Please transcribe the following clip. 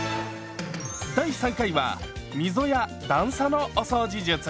第３回は溝や段差のお掃除術。